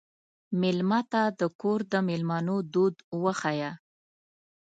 مېلمه ته د کور د مېلمنو دود وښیه.